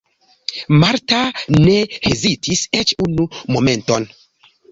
Marta ne hezitis eĉ unu momenton.